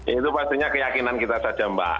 itu pastinya keyakinan kita saja mbak